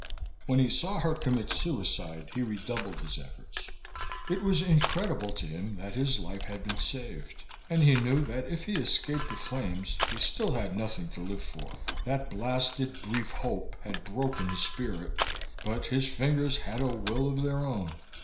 When he saw her commit suicide he redoubled his efforts. It was incredible to him that his life had been saved, and he knew that if he escaped the flames he still had nothing to live for that blasted brief hope had broken his spirit but his fingers had a will of their own.